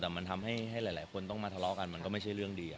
แต่มันทำให้หลายคนต้องมาทะเลาะกันมันก็ไม่ใช่เรื่องดี